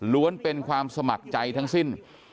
เป็นความสมัครใจทั้งสิ้น